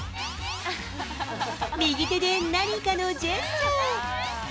右手で何かのジェスチャー。